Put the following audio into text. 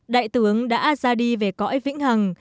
đại tướng đã ra đi về cõi vĩnh hằng